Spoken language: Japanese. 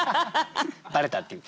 バレたっていう。